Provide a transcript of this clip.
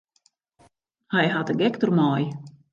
Hy hat de gek dermei.